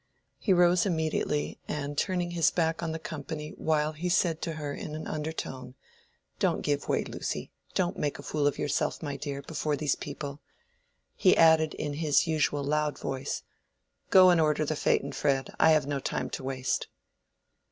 He rose immediately, and turning his back on the company while he said to her in an undertone,—"Don't give way, Lucy; don't make a fool of yourself, my dear, before these people," he added in his usual loud voice—"Go and order the phaeton, Fred; I have no time to waste."